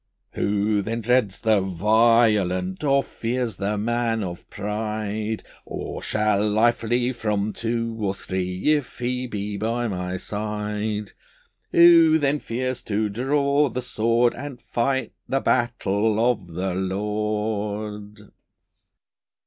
Who then dreads the violent, Or fears the man of pride? Or shall I flee from two or three If He be by my side? Who then fears to draw the sword, And fight the battle of the Lord!